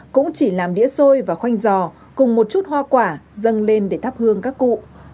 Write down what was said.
cũng chỉ làm đĩa xôi và khoanh giò cùng một chút hoa quả dâng lên để thắp hương các cụ